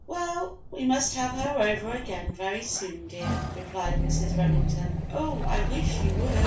"Well, we must have her over again very soon, dear," replied Mrs. Remington. "Oh, I wish you would!